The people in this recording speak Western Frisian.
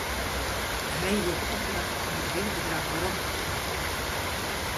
Hy joech opdracht om it hiele bedrach werom te stoarten.